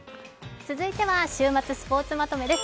続いては週末スポーツまとめです。